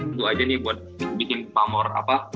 itu aja nih buat bikin pamor apa